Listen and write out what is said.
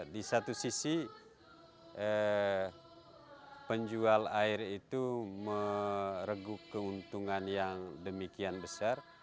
di satu sisi penjual air itu meregup keuntungan yang demikian besar